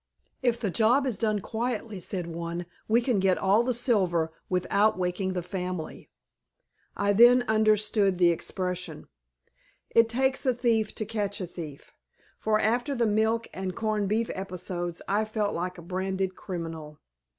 "If the job is done quietly," said one, "we can get all the silver without waking the family." I then understood the expression, "It takes a thief to catch a thief," for after the milk and corned beef episodes I felt like a branded criminal.